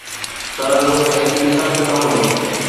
سرحدون ايتريون سخت نه هيون.